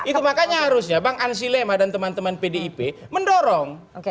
itu makanya harusnya bang ansi lema dan teman teman pdip mendorong